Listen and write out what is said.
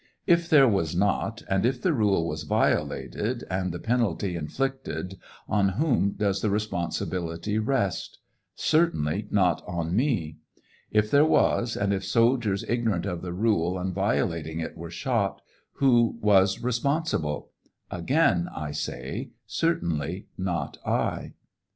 If there was not, and if the rule was violated, and the penalty inflicted, on whom does the responsibility rest? Certainly not on me. If there was, and if soldiers ignorant of the rule and violating it were shot, who was responsible 1 Again, I say, certainly not I.